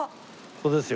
ここですよ